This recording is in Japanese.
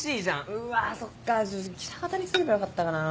うわそっか喜多方にすればよかったかなぁ。